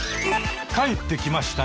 帰ってきました